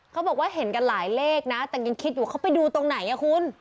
เขาบอกว่าเห็นกันหลายเลขนะแต่ยังคิดอยู่เขาไปดูตรงไหนอ่ะคุณ